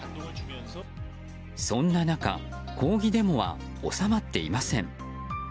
そんな中抗議デモは収まっていません。